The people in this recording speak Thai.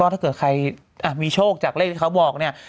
ก็ถ้าเกิดใครอ่ะมีโชคจากเลขเขาบอกเนี้ย